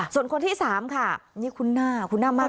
ส่วนคนที่สามค่ะนี่คุณหน้าคุณหน้ามากที่สุด